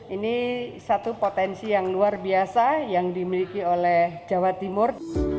ini satu potensi yang luar biasa yang dimiliki oleh jawa timur